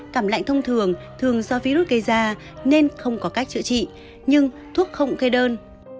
cảm lạnh thông thường thường do virus gây ra nên không có cách chữa trị nhưng thuốc không kê đơn